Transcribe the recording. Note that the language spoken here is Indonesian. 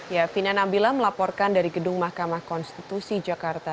ya fina nabila melaporkan dari gedung mahkamah konstitusi jakarta